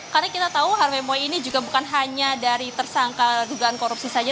karena kita tahu harve moi ini juga bukan hanya dari tersangka dugaan korupsi saja